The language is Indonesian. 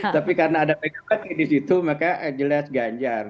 tapi karena ada pkb di situ maka jelas ganjar